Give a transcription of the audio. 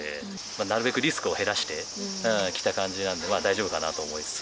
なるべくリスクを減らして来た感じなんで、大丈夫かなと思いつつ。